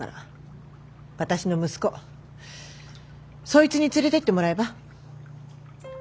そいつに連れてってもらえば？